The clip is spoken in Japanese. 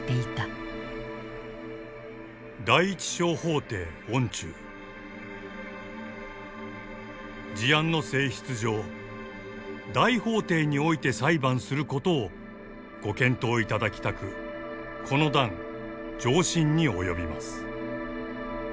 「第一小法廷御中事案の性質上大法廷において裁判することを御検討いただきたくこの段上申に及びます」。